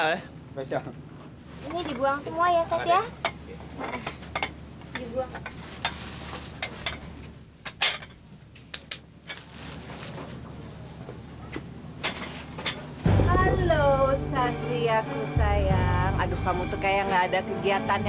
alleine makan itu hanya untukardenya